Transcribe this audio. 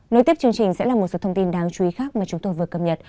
nối tiếp chương trình sẽ là một số thông tin đáng chú ý khác mà chúng tôi vừa cập nhật